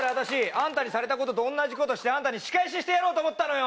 アンタにされたことと同じことしてアンタに仕返ししてやろうと思ったのよ！